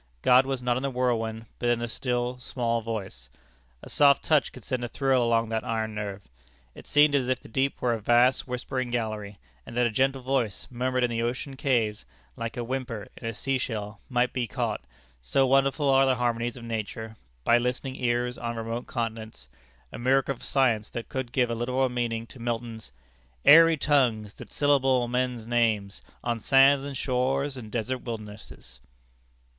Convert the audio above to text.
God was not in the whirlwind, but in the still, small voice. A soft touch could send a thrill along that iron nerve. It seemed as if the deep were a vast whispering gallery, and that a gentle voice murmured in the ocean caves, like a whisper in a sea shell, might be caught, so wonderful are the harmonies of nature, by listening ears on remote continents; a miracle of science, that could give a literal meaning to Milton's "Airy tongues, that syllable men's names On sands, and shores, and desert wildernesses."